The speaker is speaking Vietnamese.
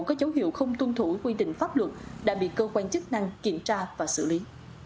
có dấu hiệu không tuân thủ quy định pháp luật đã bị cơ quan chức năng kiểm tra và xử lý